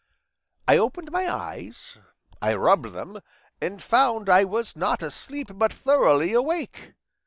I opened my eyes, I rubbed them, and found I was not asleep but thoroughly awake.